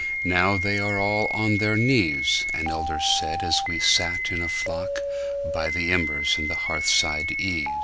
"Now they are all on their knees,"An elder said as we sat in a flock By the embers in hearthside ease.